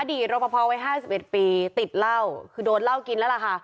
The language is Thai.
รอปภไว้๕๑ปีติดเหล้าคือโดนเหล้ากินแล้วล่ะค่ะ